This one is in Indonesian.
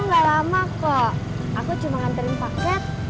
gak lama kok aku cuma nganterin paket